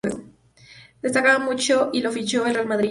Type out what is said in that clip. Destacaba mucho y lo fichó el Real Madrid.